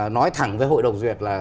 nói thẳng với hội đồng duyệt là